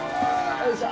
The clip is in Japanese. よいしょ。